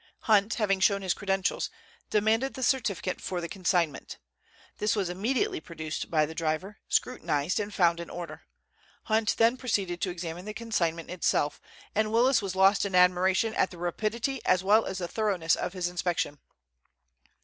Hunt, having shown his credentials, demanded the certificate for the consignment. This was immediately produced by the driver, scrutinized, and found in order. Hunt then proceeded to examine the consignment itself, and Willis was lost in admiration at the rapidity as well as the thoroughness of his inspection.